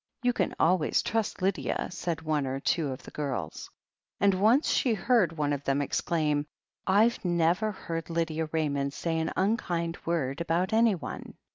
"You can always trust Lydia," said one or two of the girls. And once she heard one of them exclaim : "I've never heard Lydia Raymond say an unkind word about anybody."